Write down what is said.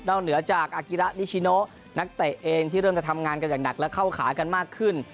นอกเหนือจากนักเตะเองที่เริ่มจะทำงานกันอย่างหนักและเข้าขากันมากขึ้น